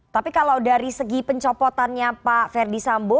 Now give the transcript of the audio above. tapi kalau dari segi pencopotannya pak ferdi sambo